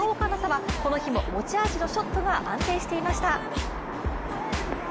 紗はこの日も持ち味のショットが安定していました。